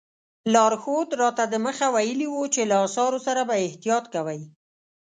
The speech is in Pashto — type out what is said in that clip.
لارښود راته دمخه ویلي وو چې له اثارو سره به احتیاط کوئ.